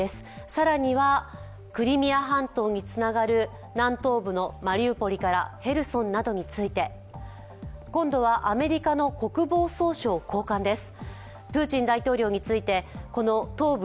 更にはクリミア半島につながる南東部のマリウポリからヘルソンなどについて、アメリカの国防総省高官です。